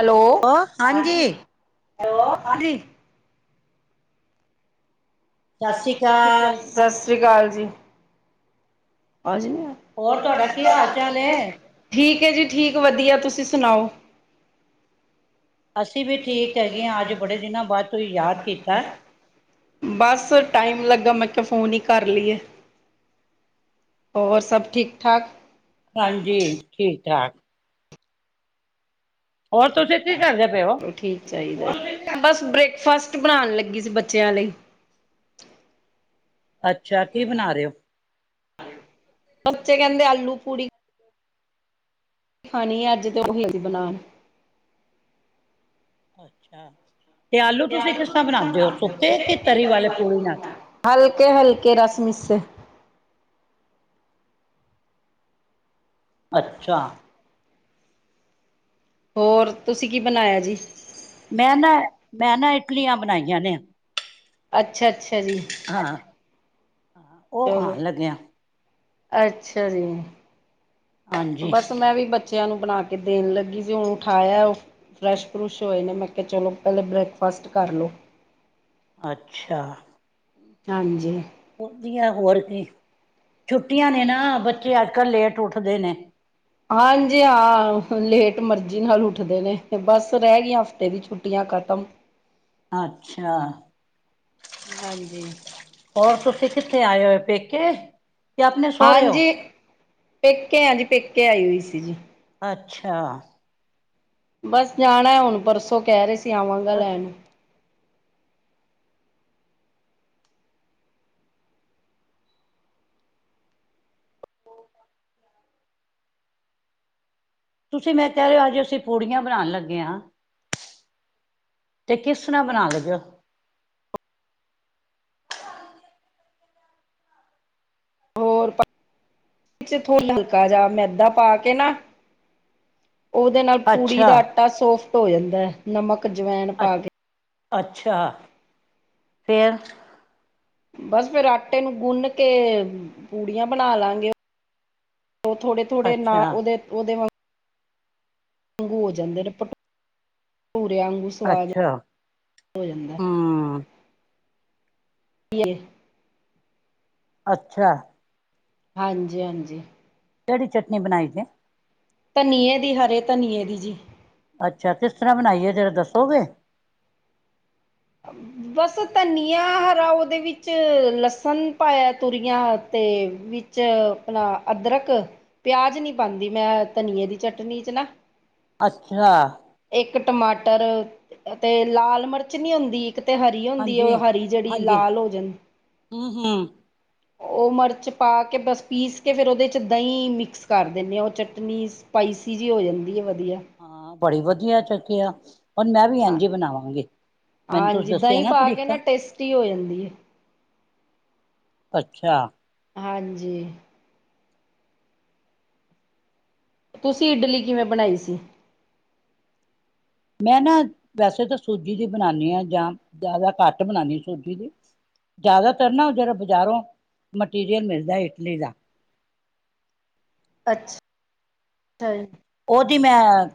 Hello ਹਾਂਜੀ hello ਹਾਂਜੀ। ਸਤਿ ਸ਼੍ਰੀ ਅਕਾਲ, ਸਤਿ ਸ਼੍ਰੀ ਅਕਾਲ ਜੀ। ਆ ਹੋਰ ਤੁਹਾਡਾ ਕੀ ਹਾਲ ਚਾਲ ਏ? ਠੀਕ ਜੀ ਠੀਕ ਵਧੀਆ, ਤੁਸੀਂ ਸੁਣਾਓ? ਅਸੀਂ ਵੀ ਠੀਕ ਹੈਗੇ ਆ, ਅੱਜ ਬੜੇ ਦਿਨਾਂ ਬਾਅਦ ਤੁਸੀਂ ਯਾਦ ਕੀਤਾ। ਬਸ ਟਾਈਮ ਲੱਗਾ। ਮੈਂ ਕਿਹਾ ਫੋਨ ਹੀ ਕਰ ਲਈਏ। ਹੋਰ ਸਭ ਠੀਕ ਠਾਕ? ਹਾਂਜੀ ਚਲੋ ਠੀਕ ਠਾਕ। ਹੋਰ ਤੁਸੀਂ ਕੀ ਕਰਦੇ ਪਏ ਉ? ਸਹੀ ਗੱਲ ਬਸ ਬ੍ਰੇਕਫਾਸਟ ਬਣਾਉਣ ਲੱਗੀ ਸੀ ਬੱਚਿਆਂ ਲਈ। ਅੱਛਾ ਕੀ ਬਣਾ ਰਹੇ ਹੋ? ਬੱਚੇ ਕਹਿੰਦੇ ਆਲੂ ਪੂਰੀ। ਖਾਣੀ ਐ ਅੱਜ ਤੇ ਉਹੀ ਬਣਾ ਦੋ। ਅੱਛਾ। ਤੇ ਆਲੂ ਤੁਸੀਂ ਕਿਸ ਤ੍ਹਾਂ ਬਣਾਉਂਦੇ ਹੋ ਸੁੱਕੇ, ਕਿ ਤਰੀ ਵਾਲੇ ਪੂੜੀ ਨਾਲ? ਹਲਕੇ ਹਲਕੇ ਰਾਸ ਮੀਸ਼ੇ। ਅੱਛਾ। ਹੋਰ ਤੁਸੀਂ ਕੀ ਬਣਾਇਆ ਜੀ? ਮੈਂ ਨਾ ਮੈਂ ਨਾ ਇਟਲੀਆਂ ਬਣਾਈਆਂ ਨੇ। ਅੱਛਾ ਅੱਛਾ ਜੀ। ਹਾਂ ਉਹ ਚਲੋ ਖਾਣ ਲੱਗਿਆ। ਅੱਛਾ ਜੀ। ਹਾਂਜੀ ਬੱਸ ਮੈਂ ਵੀ ਬੱਚਿਆਂ ਨੂੰ ਬਣਾ ਕੇ ਦੇਣ ਲੱਗੀ ਸੀ। ਹੁਣ ਉਠਾਇਆ ਉਹ ਫਰੈਸ਼ ਫਰੁਸ਼ ਹੋਏ ਨੇ ਮੈਂ ਕਿਹਾ ਚਲੋ ਪਹਿਲੇ ਬ੍ਰੇਕਫਾਸਟ ਕਰਲੋ। ਅੱਛਾ। ਨਾਂਜੀੇ। ਵਧੀਆ ਹੋਰ ਕੇ ਛੁੱਟੀਆਂ ਨੇ ਨਾ ਬੱਚੇ ਅੱਜ ਕਲ੍ਹ ਲੇਟ ਉੱਠਦੇ ਨੇ। ਹਾਂਜੀ ਹਾਂ ਲੇਟ ਮਰਜ਼ੀ ਨਾਲ ਉੱਠਦੇ ਨੇ ਤੇ ਬਸ ਰਹਿ ਗਈਆਂ ਹਫ਼ਤੇ ਦੀ ਛੁੱਟੀਆਂ ਖਤਮ। ਅੱਛਾ। ਹਾਂਜੀ। ਹੋਰ ਤੁਸੀਂ ਕਿੱਥੇ ਆਏ ਹੋਏ ਹੋ ਪੇਕੇ? ਕਿ ਆਪਣੇ ਸਹੁਰੇ ਹੋ ਹਾਂਜੀ ਪੇਕੇ ਹਾਂ ਜੀ ਪੇਕੇ ਆਈ ਹੋਈ ਸੀ ਜੀ। ਅੱਛਾ। ਬਸ ਜਾਣਾ ਹੁਣ ਪਰਸੋਂ ਕਹਿ ਰਹੇ ਸੀ ਆਵਾਂਗਾ ਲੈਣ। ਹੋ। ਤੁਸੀਂ ਮੈਂ ਕਹਿ ਰਹੇ ਹੋ ਅੱਜ ਅਸੀਂ ਪੂੜੀਆਂ ਬਣਾਣ ਲੱਗੇ ਹਾਂ। ਤੇ ਕਿਸ ਸਰਾ ਬਣਾਨ ਲੱਗੇ ਹੋ। ਹੋਰ ਹਲਕਾ ਜਾ ਮੈਦਾ ਪਾ ਕੇ ਨਾ। ਉਹਦੇ ਨਾਲ ਪੂੜੀ ਅੱਛਾ ਦਾ ਆਟਾ ਸੋਫਟ ਹੋ ਜਾਂਦਾ ਹੈ। ਨਮਕ ਜਵੇਨ ਅ ਪਾ ਕੇ। ਅੱਛਾ ਫੇਰ। ਬੱਸ ਫਿਰ ਆਟੇ ਨੂੰ ਗੁੰਨ ਕੇ ਪੂੜੀਆਂ ਬਣਾ ਲਾਂਗੇ। ਉਹ ਥੋੜੇ ਥੋੜੇ ਨਾ ਅੱਛਾ ਉਹਦੇ ਉਹਦੇ ਵਾ ਅੰਗੂ ਹੋ ਜਾਂਦੇ ਨੇ ਭਟੂ ਭਟੂਰੇ ਆਂਗੂ। ਸਵਾਦ ਅੱਛਾ ਹੋ ਜਾਂਦਾ। ਹੂੰ ਅੱਛਾ। ਹਾਂਜੀ, ਹਾਂਜੀ। ਕਿਹੜੀ ਚਟਨੀ ਬਣਾਈ ਜੇ। ਧਨੀਏ ਦੀ ਹਰੇ ਧਨੀਏ ਦੀ ਜੀ। ਅੱਛਾ ਕਿਸ ਤਰ੍ਹਾਂ ਬਣਾਈਏ ਜਰਾ ਦੱਸੋਗੇ। ਹੂੰ ਬਸ ਧਨੀਆ ਹਰਾ ਉਹਦੇ ਵਿੱਚ ਲਸਣ ਪਾਇਆ ਤੁਰੀਆਂ ਅਤੇ ਵਿੱਚ ਚ ਆਪਣਾ ਅਦਰਕ। ਪਿਆਜ ਨਹੀਂ ਪਾਉਂਦੀ ਮੈਂ ਧਨੀਏ ਦੀ ਚਟਨੀ ਚ ਨਾ ਅੱਛਾ। ਇੱਕ ਟਮਾਟਰ ਤੇ ਲਾਲ ਮਿਰਚ ਨੀ ਇੱਕ ਤੇ ਹਰੀ ਹੁੰਦੀ ਹੈ ਹਾਂਜੀ ਉਹ ਹਰੀ ਜਿਹੜੀ ਹਾਂਜੀ ਲਾਲ ਹੋ ਜਨ। ਹੂੰ ਹੂੰ ਉਹ ਮਿਰਚ ਪਾ ਕੇ ਬਸ ਪੀਸ ਕੇ ਫਿਰ ਉਹਦੇ 'ਚ ਦਹੀਂ ਮਿਕਸ ਕਰ ਦਿੰਦੇ ਉਹ ਚਟਨੀਸ। ਸਪਾਈਸੀ ਜਿਹੀ ਹੋ ਜਾਂਦੀ ਹੈ, ਵਧੀਆ। ਹਾਂ ਬੜੀ ਵਧੀਆ ਚੱਕਿਆ। ਹੁਣ ਮੈਂ ਵੀ ਹਾਂ ਇੰਜ ਬਣਾਵਾਂਗੇ ਮੈਨੂੰ ਤੂੰ ਦੱਸਿਆ ਨਾ ਤਰੀਕਾ। ਟੀ ਹੋ ਜਾਂਦੀ ਹੈ। ਅੱਛਾ। ਹਾਂਜੀ। ਤੁਸੀਂ ਇਡਲੀ ਕਿਵੇਂ ਬਣਾਈ ਸੀ। ਮੈਂ ਨਾ ਵੈਸੇ ਤਾਂ ਸੂਜੀ ਦੀ ਬਣਾਉਦੀ ਹਾਂ, ਜਾਂ ਜ਼ਿਆਦਾ ਘੱਟ ਬਣਾਉਂਦੀ ਸੂਜੀ ਦੀ। ਜ਼ਿਆਦਾਤਰ ਨਾ ਜਿਹੜਾ ਬਜ਼ਾਰੋਂ ਮਟੀਰੀਅਲ ਮਿਲਦਾ ਇਡਲੀ ਦਾ। ਅੱਛਾ ਜੀ। ਉਹਦੀ ਮੈਂ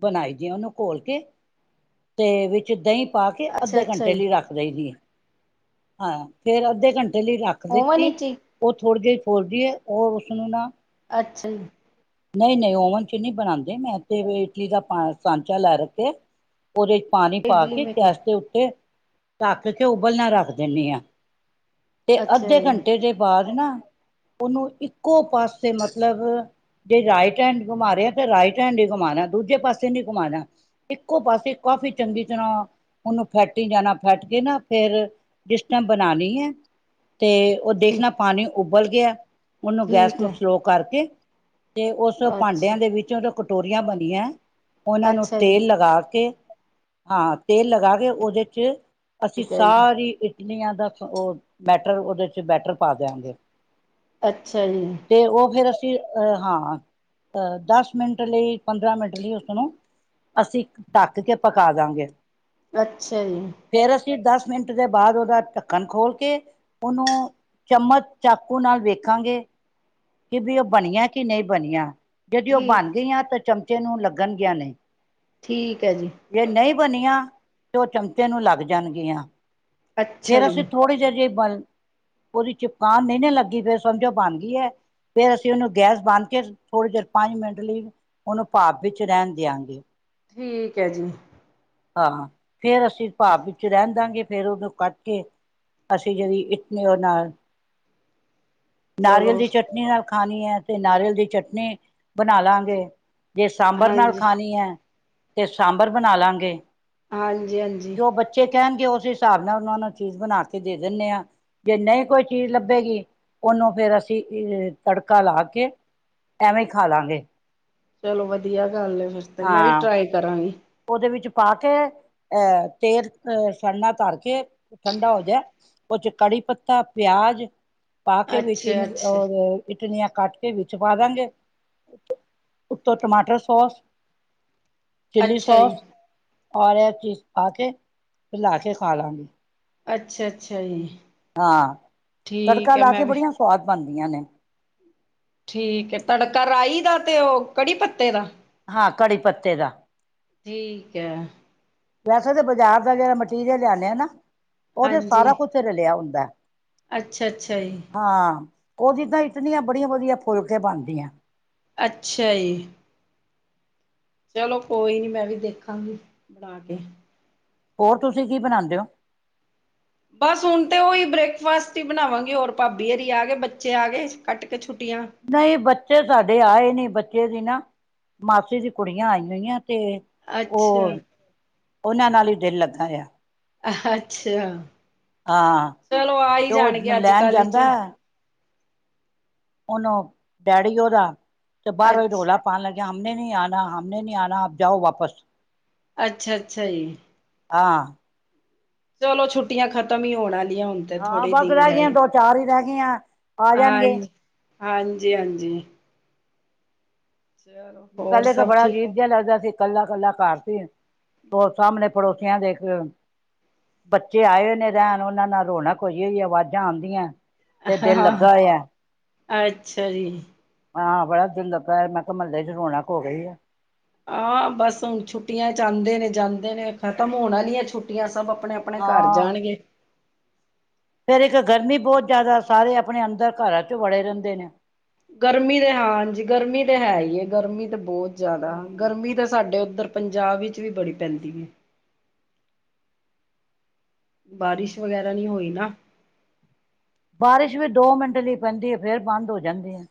ਬਣਾਈ ਦੀ ਆ ਉਹਨੂੰ ਘੋਲ ਕੇ ਤੇ ਵਿੱਚ ਦਹੀਂ। ਪਾ ਕੇ ਅੱਧੇ ਅੱਛਾ-ਅੱਛਾ ਘੰਟੇ ਜੀ, ਲਈ ਰੱਖ ਦੀ ਹਾਂ ਫਿਰ ਅੱਧੇ ਘੰਟੇ ਲਈ ਰੱਖ। ਰੱਖ ਓਵਨ ਦਿੱਤੀ ਵਿੱਚ ਹੀ ਉਹ ਥੋੜੀ ਦੇਰ ਬੋਲਦੀ ਉਹ ਉਸਨੂੰ ਨਾ, ਅੱਛਾ ਜੀ ਨਹੀਂ ਨਹੀਂ ਓਵਨ ਚ ਨਹੀਂ ਬਣਾਉਂਦੇ ਮੈਂ ਤੇ ਇਡਲੀ ਦਾ ਸਾਂਚਾ ਲੈ ਰੱਖੇ ਉਹਦੇ ਚ ਪਾਣੀ ਪਾ ਇਡਲੀ ਕੇ ਮੇਕਰ ਗੈਸ ਦੇ ਉੱਤੇ ਤੱਕ ਕੇ ਉਬਲਣਾ ਰੱਖ ਦਿੰਦੇ ਹਾਂ ਤੇ ਅੱਛਾ ਅੱਧੇ ਘੰਟੇ ਦੇ ਬਾਅਦ ਨਾ ਉਹਨੂੰ ਇੱਕੋ ਪਾਸੇ ਮਤਲਬ ਜੇ ਰਾਈਟ ਹੈਂਡ ਘੁਮਾ ਰਿਹਾ ਤੇ ਰਾਈਟ ਹੈਂਡ ਹੀ ਘਮਾਉਣਾ ਦੂਜੇ ਪਾਸੇ ਨੀ ਘੁਮਾਣਾ ਇੱਕੋ ਪਾਸੇ ਕਾਫ਼ੀ ਚੰਗੀ ਤਰ੍ਹਾਂ ਉਹਨੂੰ ਫੈਟੀ ਜਾਣਾ ਫੈਟ ਕੇ ਨਾ ਫਿਰ ਲਿਸਟਾਂ ਬਣਾ ਲਈਆਂ ਤੇ ਉਹ ਜੀ, ਦੇਖਣਾ ਪਾਣੀ ਉਬਲ ਗਿਆ ਉਹਨੂੰ ਗੈਸ ਠੀਕ ਨੂੰ ਹੈ, ਸਲੋ ਕਰਕੇ ਤੇ ਉਸ ਭਾਂਡਿਆਂ ਅੱਛਾ, ਦੇ ਵਿੱਚ ਉਹ ਕਟੋਰੀਆਂ ਬਣੀਆਂ ਉਹਨਾਂ ਨੂੰ ਅੱਛਾ ਜੀ, ਤੇਲ ਲਗਾ ਕੇ ਹਾਂ ਤੇਲ ਲਗਾ ਕੇ ਉਹਦੇ ਚ ਅਸੀਂ ਠੀਕ ਹੈ ਜੀ। ਸਾਰੀ ਇਟਲੀਆਂ ਦਾ ਉਹ ਬੈਟਰ ਉਹਦੇ ' ਬੈਟਰ ਪਾ ਦਿਆਂਗੇ ਅੱਛਾ ਜੀ ਤੇ ਉਹ ਫਿਰ ਅਸੀਂ ਹਾਂ ਦਸ ਮਿੰਟ ਲਈ ਪੰਦਰਾਂ ਮਿੰਟ ਲਈ ਉਸਨੂੰ ਅਸੀਂ ਤੱਕ ਕੇ ਪਕਾ ਦਾ ਗਏ ਅੱਛਾ ਜੀ ਫਿਰ ਅਸੀਂ ਦਸ ਮਿੰਟ ਦੇ ਬਾਅਦ ਉਹਦਾ ਢੱਕਣ ਖੋਲ ਕੇ ਉਹਨੂੰ ਚਮਚ ਚਾਕੂ ਨਾਲ ਵੇਖਾਂਗੇ ਕਿ ਵੀ ਉਹ ਬਣੀਆਂ ਕਿ ਨਹੀਂ ਬਣੀਆਂ ਜਦ ਉਹ ਠੀਕ, ਬਣ ਗਈਆਂ ਤਾਂ ਚਮਚੇ ਨੂੰ ਲੱਗਣ ਗੀਆਂ ਨੇ ਠੀਕ ਹੈ ਜੀ। ਜੇ ਨਹੀਂ ਬਣੀਆਂ ਤੇ ਉਹ ਚਮਚੇ ਨੂੰ ਲੱਗ ਜਾਣਗੀਆਂ ਅੱਛਾ ਫਿਰ ਜੀ, ਅਸੀਂ ਥੋੜੀ ਜੇਰ ਬਲ ਉਹਦੀ ਜੁਕਾਮ ਨਹੀਂ ਲੱਗੀ ਫਿਰ ਸਮਝੋ ਬਣ ਗਈ ਹੈ। ਫਿਰ ਅਸੀਂ ਉਹਨੂੰ ਗੈਸ ਬੰਨ ਕੇ ਥੋੜੀ ਦੇਰ ਪੰਜ ਮਿੰਟ ਲਈ ਉਹਨੂੰ ਭਾਵ ਵਿੱਚ ਰਹਿਣ ਦਿਆਂਗੇ ਠੀਕ ਐ ਜੀ। ਹਾਂ, ਫੇਰ ਅਸੀਂ ਭਾਪ ਵਿੱਚ ਰੈਨ ਦਾਂਗੇ ਫੇਰ ਉਨੂੰ ਕੱਟ ਕੇ ਅਸੀਂ ਜੇੜੀ ਇਡਲੀ ਓ ਨਾਲ, ਨਾਰੀਅਲ ਚਲੋ ਦੀ ਚੱਟ ਚਟਨੀ ਨਾਲ ਖਾਨੀ ਐ ਤੇ ਨਾਰੀਅਲ ਦੀ ਚਟਨੀ ਬਣਾ ਲਾਂਗੇ। ਜੇ ਸਾਂਬਰ ਨਾਲ ਹਾਂਜੀ। ਖਾਨੀ ਹੈ ਤੇ ਸਾਂਬਰ ਬਨਾ ਲਾਂਗੇ। ਹਾਂਜੀ- ਹਾਂਜੀ। ਜੋ ਬੱਚੇ ਕੈਣਗੇ ਓਸ ਹਿਸਾਬ ਨਾਲ ਓਨਾ ਨੂੰ ਚੀਜ਼ ਬਣਾ ਕੇ ਦੇ ਦੇਨੇ ਆ। ਜੇ ਨਈ ਕੋਈ ਚੀਜ਼ ਲੱਭੇਗੀ ਉਨੂੰ ਫਿਰ ਅਸੀਂ ਏ ਤੜਕਾ ਲਾ ਕੇ, ਐਵੇਂ ਈ ਖਾ ਲਾਂਗੇ। ਚਲੋ ਵਧੀਆ ਗੱਲ ਏ ਫੇਰ ਤੇ ਮੈਂ ਵੀ ਟਰਾਈ ਕਰਾਂਗੀ। ਓਦੇ ਵਿੱਚ ਪਾ ਕੇ, ਅ- ਤੇਲ ਅ-ਸੜਨਾ ਧਰ ਕੇ, ਠੰਡਾ ਹੋ ਜਾਏ ਓਦੇ ਚ ਕੜੀ- ਪੱਤਾ, ਪਿਆਜ ਪਾ ਕੇ ਵਿੱਚ ਈ ਮ - ਅੱਛਾ-ਅੱਛਾ, ਅ ਇਡਲੀਆਂ ਕੱਟ ਕੇ ਵਿੱਚ ਪਾ ਦਾਂਗੇ, ਉੱਤੋਂ- ਉਤੋ ਟਮਾਟਰ ਸੋਸ ਅੱਛਾ ਚਿੱਲੀ ਅੱਛਾ ਸੌਸ ਜੀ, ਔਰ ਐ ਚੀਜ਼ ਪਾ ਕੇ ਰਲਾ ਕੇ ਖਾ ਲਾਂਗੇ। ਅੱਛਾ -ਅੱਛਾ ਜੀ। ਹਾਂ, ਤੜਕਾ ਠੀਕ ਹੈ ਲਾ ਕੇ ਮੈਂ ਵੀ ਬੜੀਆਂ ਸੁਆਦ ਬਨਦੀਆਂ ਨੇ। ਠੀਕ ਏ, ਤੜਕਾ ਰਾਹੀ ਦਾ ਤੇ ਓ ਕੜੀ ਪੱਤੇ ਦਾ? ਹਾਂ, ਕੜੀ ਪੱਤੇ ਦਾ। ਠੀਕ ਐ। ਵੈਸੇ ਤੇ ਬਾਜ਼ਾਰ ਦਾ ਜੇੜਾ ਮਟੀਰੀਅਲ ਲਿਆਨੇ ਆ ਨਾ ਓਦੇ ਚ ਸਾਰਾ ਹਾਂਜੀ ਕੁਛ ਰਲਿਆ ਹੁੰਦੈ। ਅੱਛਾ ਅੱਛਾ ਜੀ ਹਾਂ। ਓਦੀ ਤਾਂ ਇਤਨੀਆਂ ਬੜੀਆਂ ਵਧੀਆ ਫੁੱਲਕੇ ਬਨਦੀਐ। ਅੱਛਾ ਯੀ। ਚਲੋ ਕੋਈ ਨੀ, ਮੈਂ ਵੀ ਦੇਖਾਂਗੀ ਬਣਾ ਕੇ। ਹੋਰ ਤੁਸੀਂ ਕੀ ਬਣਾਂਦੇ ਓ? ਬਸ ਹੁਣ ਤੇ ਓਈ ਬ੍ਰੇਕਫਾਸਟ ਈ ਬਣਾਵਾਂਗੇ ਹੋਰ ਭਾਬੀ ਹੋਰੀ ਆ ਗੇ, ਬੱਚੇ ਆ ਗੇ ਕੱਟ ਕੇ ਛੁੱਟੀਆਂ। ਨਈ ਬੱਚੇ ਸਾਡੇ ਆਏ ਨੀ ਬੱਚੇ ਦੀ ਨਾ, ਮਾਸੀ ਦੀ ਕੁੜੀਆਂ ਆਈ ਹੋਈਆਂ ਤੇ ਓ, ਅੱਛਾ ਓਨਾਂ ਨਾਲ ਈ ਦਿਲ ਲੱਗਾ ਹੋਇਆ। ਅ -ਅੱਛਾ, ਹਾਂ ਚਲੋ ਆ ਈ ਤੇ ਉਹ ਜਾਣਗੇ ਅੱਜ- ਲੈਣ ਕੱਲ ਇਚ। ਜਾਂਦਾ ਓਨੂੰ, ਡੈਡੀ ਓਦਾ ਤੇ ਬਾਹਰੋਂ ਹੀ ਅੱਛ ਰੋਲਾ ਪਾ ਪਾਨ ਲਗਿਆ ਹਮਨੇ ਨੀ ਆਣਾ, ਹਮਨੇ ਨੀ ਆਣਾ ਆਪ ਜਾਓ ਵਾਪਸ। ਅੱਛਾ- ਅੱਛਾ ਜੀ। ਹਾਂ। ਚਲੋ ਛੁੱਟੀਆਂ ਖਤਮ ਹੀ ਹੋਣ ਆਲੀਆਂ ਹੁਨ। ਤੇ ਹਾਂ ਥੋੜੇ ਈ ਬਸ ਦਿਨ ਰਹਿ ਰੈ ਗਈਆਂ ਗੇ। ਦੋ ਚਾਰ ਹੀ ਰਹਿ ਗਈਆਂ ਆ ਹਾਂ ਜਾਣਗੇ - ਹਾਂਜੀ - ਹਾਂਜੀ। ਚਲੋ ਹੋਰ ਪੈਲੇ ਤਾਂ ਸਭ ਬੜਾ ਠੀਕ ਅਜੀਬ ਜਿਆ ਲੱਗਦਾ ਸੀ ਕੱਲਾ- ਕੱਲਾ ਘਰ ਸੀ, ਓ ਸਾਮਣੇ ਪੜੋਸੀਆਂ ਦੇਖਲੋ ਬੱਚੇ ਆਏ ਹੋਏ ਨੇ ਰੈਨ, ਉਨਾਂ ਨਾਲ ਰੌਣਕ ਹੋਈ- ਹੋਈ ਏ ਆਵਾਜ਼ਾਂ ਆਂਦੀਐ। ਹਾਂ, ਅੱਛਾ ਜੀ। ਹਾਂ, ਬੜਾ ਦਿਲ ਲਗਾ ਹੋਇਐ, ਮੈਂ ਕਿਆ ਮਹਲੇ ਚ ਰੋਣਕ ਹੋ ਗਈ ਏ। ਹਾਂ, ਬਸ ਹੁਨ ਛੁੱਟੀਆਂ ਚ ਆਂਦੇ ਨੇ ਜਾਂਦੇ ਨੇ, ਖਤਮ ਹੋਣ ਆਲੀਆਂ ਛੁੱਟੀਆਂ ਸਭ ਅਪਣੇ - ਅਪਣੇ ਅਪਣੇ ਘਰ ਹਾਂ ਜਾਣਗੇ। ਫੇਰ ਏਕ ਗਰਮੀ ਬਹੁਤ ਜਾਦਾ, ਸਾਰੇ ਅਪਣੇ ਅੰਦਰ ਘਰਾਂ ਚ ਵੜੇ ਰੈਂਦੇ ਨੇ। ਗਰਮੀ ਤੇ ਹਾਂਜੀ, ਗਰਮੀ ਤੇ ਹੈ ਈ ਏ। ਗਰਮੀ ਤਾਂ ਬਹੁਤ ਜਾਦਾ, ਹਮ ਗਰਮੀ ਤਾਂ ਸਾਡੇ ਉੱਧਰ ਪੰਜਾਬ ਵਿੱਚ ਵੀ ਬੜੀ ਪੈਂਦੀ ਏ। ਬਾਰਿਸ਼ ਵਗੈਰਾ ਨੀ ਹੋਈ ਨਾ। ਬਾਰਿਸ਼ ਵੀ ਦੋ ਮਿੰਟ ਲਈ ਪੈਂਦੀ ਏ ਫੇਰ ਬੰਦ ਹੋ ਜਾਂਦੀ ਏ।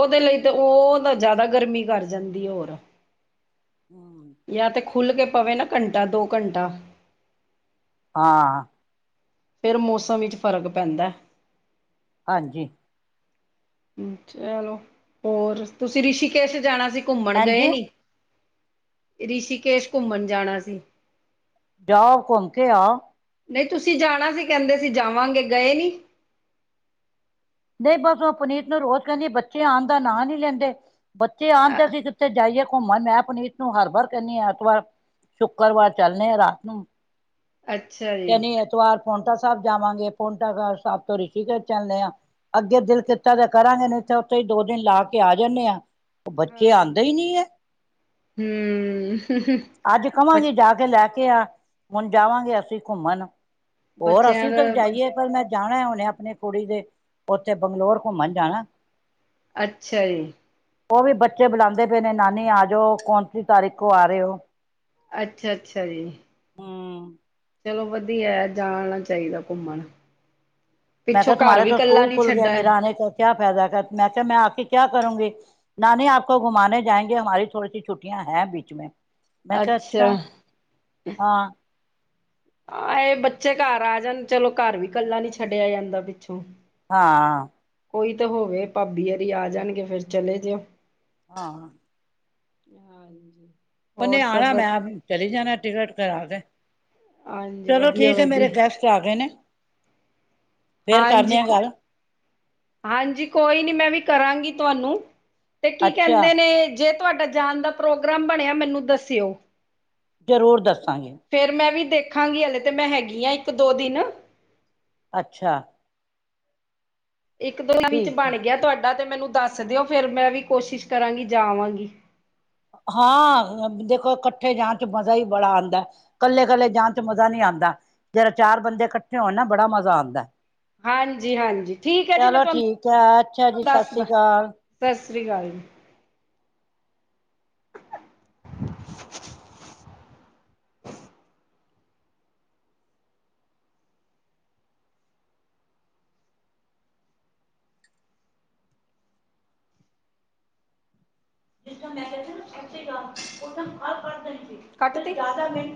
ਓਦੇ ਲਈ ਤੇ ਓ ਤਾਂ ਜਾਦਾ ਗਰਮੀ ਕਰ ਜਾਂਦੀ ਹੋਰ। ਹੂੰ! ਯਾ 'ਤੇ ਖੁੱਲ ਕੇ ਪਵੇ ਨਾ ਘੰਟਾ ਦੋ ਘੰਟਾ। ਹਾਂ। ਫੇਿਰ ਮੌਸਮ ਇਚ ਫ਼ਰਕ ਪੈਂਦੈ। ਹਾਂਜੀ। ਚਲੋ, ਹੋਰ! ਤੁਸੀਂ ਰਿਸ਼ੀਕੇਸ਼ ਜਾਣਾ ਸੀ ਘੁੰਮਣ ਗਏ ਹਾਂਜੀ ਨੀ? ਰਿਸ਼ੀਕੇਸ਼ ਘੁੰਮਣ ਜਾਣਾ ਸੀ। ਜਾਓ, ਘੁੰਮ ਕੇ ਆਓ। ਨਈ ਤੁਸੀਂ ਜਾਣਾ ਸੀ, ਕੈਂਦੇ ਸੀ ਜਾਵਾਂਗੇ, ਗਏ ਨੀਂ? ਨਈ ਬਸ ਓ ਪੁਨੀਤ ਨੂੰ ਰੋਜ਼ ਕੈਂਨੀ ਆ ਬੱਚੇ ਆਣ ਦਾ ਨਾਂ ਨੀ ਲੈਂਦੇ। ਬੱਚੇ ਆਣ ਤੇ ਅ ਅਸੀ ਤੇ ਜਾਈਏ ਘੁੰਮਣ ਮੈਂ ਪੁਨੀਤ ਨੂੰ ਹਰ ਵਾਰ ਕੈਨੀ ਆਂ ਐਤਵਾਰ ਸ਼ੁੱਕਰਵਾਰ ਚੱਲਨੇ ਆ ਰਾਤ ਨੂੰ। ਅੱਛਾ ਜੀ ਸ਼ਨੀ-ਐਤਵਾਰ ਪੋਂਟਾ ਸਾਬ ਜਾਵਾਂਗੇ, ਪੋਂਟਾ ਸਾਬ ਸਾਬ ਤੋਂ ਰਿਸ਼ੀਕੇਸ਼ ਚੱਲਨੇ ਆ। ਅੱਗੇ ਦਿਲ ਕੀਤਾ ਤੇ ਕਰਾਂਗੇ ਨਈਂ ਤੇ ਉੱਥੇ ਈ ਦੋ ਦਿਨ ਲਾ ਕੇ ਆ ਜਾਂਨੇ ਆਂ। ਬੱਚੇ ਆਂਦੇ ਈ ਨੀਂ ਐ। ਹੂੰ। ਅੱਜ ਕਵਾਂਗੀ ਜਾ ਕੇ ਲੈ ਕੇ ਆ, ਹੁਣ ਜਾਵਾਂਗੇ ਅਸੀਂ ਘੁੰਮਣ। ਹੋਰ ਅਸੀਂ ਬੱਚਿਆਂ ਵੀ ਦਾ ਤਾਂ ਜਾਈਏ ਪਰ ਮੈਂ ਜਾਣੈ ਹੁਨੇ ਅਪਣੀ ਕੁੜੀ ਦੇ ਉੱਥੇ ਬੰਗਲੋਰ ਘੁੰਮਨ ਜਾਣਾ। ਅੱਛਾ ਜੀ। ਉ ਵੀ ਬੱਚੇ ਬੁਲਾਂਦੇ ਬੇ ਨੇ ਨਾਨੀ ਆ ਜੋ। ਕੌਨਸੀ ਤਾਰੀਕ ਕੋ ਆ ਰੇ ਓ? ਅੱਛਾ -ਅੱਛਾ ਜੀ। ਹਾਂ। ਚਲੋ ਵਦੀਐ ਜਾਣਾ ਚਾਈਦਾ ਘੁੰਮਣ। ਮੈਂ ਕਿਆ ਪਿੱਛੋਂ ਘਰ ਤੁਮਾਰੇ ਵੀ ਤੋਂ ਕੱਲਾ ਸਕੂਲ ਨੀ ਖੁੱਲ ਗੇ, ਛੱਡਾ ਮੇਰਾ ਆਨਾ ਕਾ ਕਿਆ ਫੈਦਾ, ਕ -ਮੈਂ ਕਿਆ ਮੈਂ ਆ ਕੇ ਕਿਆ ਕਰੂੰਗੀ। ਨਾਨੀ ਆਪ ਕੋ ਘੁਮਾਨੇ ਜਾਏਂਗੇ ਹਮਾਰੀ ਥੋੜੀ ਸੀ ਛੁੱਟੀਆਂ ਹੈ ਬੀਚ ਮੈਂ। ਮੈਂ ਕਿਆ ਅੱਛਾ, ਹਾਂ। ਹਾਂ ਏ ਬੱਚੇ ਘਰ ਆ ਜਾਨ, ਚਲੋ ਘਰ ਵੀ ਕੱਲਾ ਨੀ ਛੱਡਿਆ ਜਾਂਦਾ ਪਿੱਛੋਂ। ਹਾਂ। ਕੋਈ ਤਾਂ ਹੋਵੇ, ਭਾਬੀ ਹੋਰੀ ਆ ਜਾਨ ਗੇ ਫੇਰ ਚਲੇ ਜਿਓਂ। ਹਾਂ। ਹਾਂਜੀ। ਹੋਰ ਓਨੇ ਸਭ ਆਣਾ ਵ ਮੈਂ ਅ -ਚਲੀ ਜਾਣੈ ਟਿਕਟ ਕਰਾ ਕੇ। ਹਾਂਜੀ ਚਲੋ ਵਧੀਆ ਠੀਕ ਏ ਮੇਰੇ ਵਧੀਆ ਗੈਸਟ ਗੈਸਟ ਆ ਗੇ ਨੇ। ਫੇਰ ਕਰਨੇ ਹਾਂਜੀ। ਆ ਗੱਲ। ਹਾਂਜੀ ਕੋਈ ਨੀ ਮੈਂ ਵੀ ਕਰਾਂਗੀ ਤੁਆਨੂੰ। ਤੇ ਕੀ ਅੱਛਾ ਕੈਂਦੇ ਨੇ ਜੇ ਤੁਆਡਾ ਜਾਨ ਦਾ ਪ੍ਰੋਗਰਾਮ ਬਣਿਆ ਮੈਨੂੰ ਦੱਸਿਓ। ਜ਼ਰੂਰ ਦੱਸਾਂਗੇ। ਫੇਰ ਮੈਂ ਵੀ ਦੇਖਾਂਗੀ ਹਲੇ ਤੇ ਮੈਂ ਹੈਗੀ ਆ ਇੱਕ, ਦੋ ਦਿਨ। ਅੱਛਾ। ਇੱਕ, ਦੋ ਦਿਨ ਚ ਠੀਕ ਬਣ ਗਿਆ ਤੁਆਡਾ ਤੇ ਮੈਨੂੰ ਦੱਸ ਦਿਓ ਫੇਰ ਮੈਂ ਵੀ ਕੋਸ਼ਿਸ਼ ਕਰਾਂਗੀ ਜਾਵਾਂਗੀ। ਹਾਂ, ਦੇਖੋ ਕੱਠੇ ਜਾਨ ਚ ਮਜ਼ਾ ਈ ਬੜਾ ਆਂਦੈ। ਕੱਲੇ -ਕੱਲੇ ਜਾਨ ਚ ਮਜ਼ਾ ਨੀ ਆਂਦਾ, ਜੇੜਾ ਚਾਰ ਬੰਦੇ ਕੱਠੇ ਹੋਨ ਨਾ ਬੜਾ ਮਜ਼ਾ ਆਂਦੈ। ਹਾਂਜੀ ਹਾਂਜੀ ਠੀਕ ਹੈ ਜੀ ਮੈਂ ਚਲੋ ਤੁਹਾਨੂੰ ਠੀਕ ਹੈ ਅੱਛਾ ਜੀ ਸਤਿ ਸ੍ਰੀ ਦੱਸਦਾ ਅਕਾਲ। ਸਤਿ ਸ੍ਰੀ ਅਕਾਲ ਜੀ ਹਾਂਜੀ ਹਾਂਜੀ। ਿਸ ਮੈਂੱ ਮਿੰ